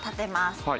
はい。